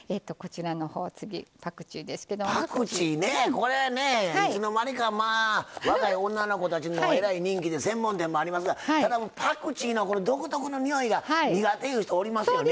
これねいつの間にかまあ若い女の子たちにもえらい人気で専門店もありますがただパクチーのこの独特のにおいが苦手いう人おりますよね。